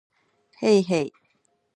へいへい